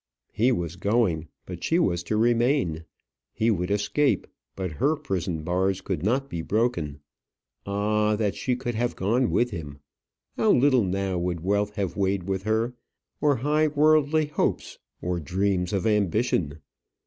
He was going; but she was to remain. He would escape; but her prison bars could not be broken. Ah, that she could have gone with him! How little now would wealth have weighed with her; or high worldly hopes, or dreams of ambition!